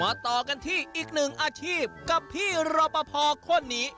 ต่อกันที่อีกหนึ่งอาชีพกับพี่รอปภคนนี้